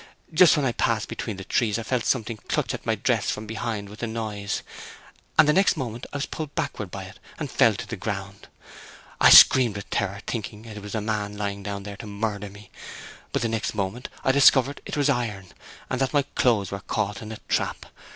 Just when I had passed between these trees I felt something clutch at my dress from behind with a noise, and the next moment I was pulled backward by it, and fell to the ground. I screamed with terror, thinking it was a man lying down there to murder me, but the next moment I discovered it was iron, and that my clothes were caught in a trap.